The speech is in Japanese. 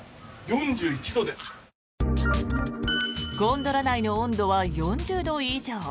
ゴンドラ内の温度は４０度以上。